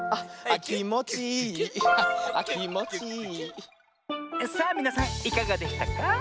「きもちいい」さあみなさんいかがでしたか？